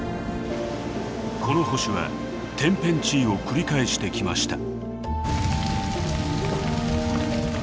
この星は天変地異を繰り返してきました。